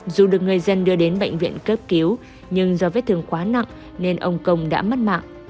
dù được người dân đưa đến bệnh viện cấp cứu nhưng do vết thương quá nặng nên ông công đã mất mạng